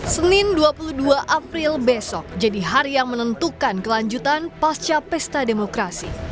senin dua puluh dua april besok jadi hari yang menentukan kelanjutan pasca pesta demokrasi